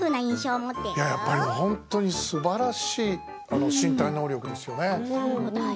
やっぱり本当にすばらしい身体能力ですよね。